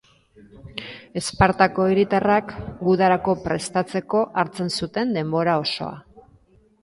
Espartako hiritarrak gudarako prestatzeko hartzen zuten denbora osoa.